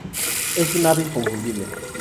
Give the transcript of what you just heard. Es un ave inconfundible.